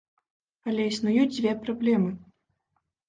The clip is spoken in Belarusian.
Але існуюць дзве праблемы.